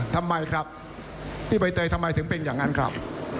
ทำไมครับพี่ใบเตยทำไมถึงเป็นอย่างนั้นครับ